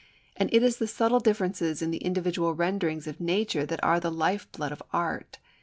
And it is the subtle differences in the individual renderings of nature that are the life blood of art.